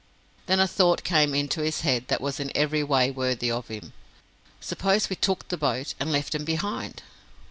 Then a thought came into his head that was in every way worthy of him. "Suppose we took the boat, and left him behind!"